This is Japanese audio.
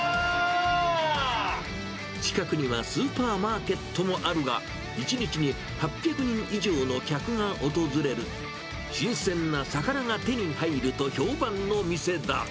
近くにはスーパーマーケットもあるが、１日に８００人以上の客が訪れる、新鮮な魚が手に入ると評判の店だ。